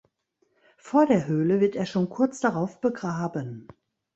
Vor der Höhle wird er schon kurz darauf begraben.